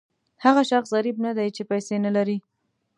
هغه شخص غریب نه دی چې پیسې نه لري.